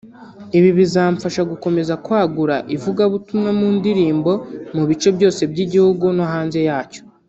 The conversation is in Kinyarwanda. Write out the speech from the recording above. Ibi bizamfasha gukomeza kwagura ivugabutumwa mu ndirimbo mu bice byose by’igihugu no hanze yacyo